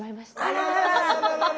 あらららら。